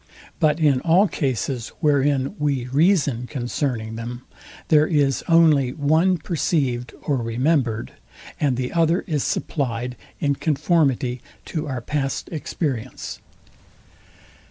But in all cases, wherein we reason concerning them, there is only one perceived or remembered, and the other is supplyed in conformity to our past experience.